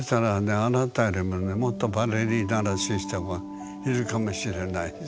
あなたよりもねもっとバレリーナらしい人がいるかもしれないし。